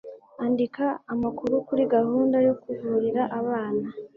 andika amakuru kuri gahunda yo kuvurira abana